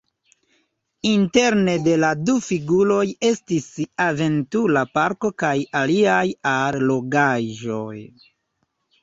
Interne de la du figuroj estis aventura parko kaj aliaj allogaĵoj.